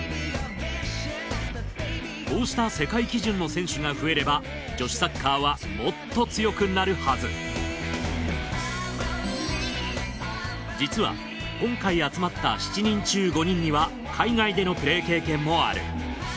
こうした世界基準の選手が増えれば女子サッカーはもっと強くなるはず実は今回集まった７人中５人には海外でのプレー経験もある。